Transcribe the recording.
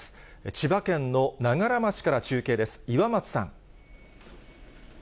千葉県の長柄町から中継です、岩松さん。